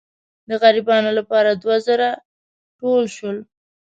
د غریبانو لپاره دوه زره ټول شول.